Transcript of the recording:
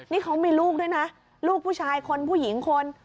นี่เขามีลูกด้วยนะลูกผู้ชายคนผู้หญิงคน